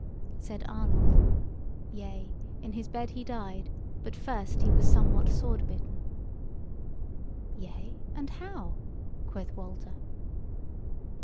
Said Arnold: "Yea, in his bed he died: but first he was somewhat sword bitten." "Yea, and how?" quoth Walter.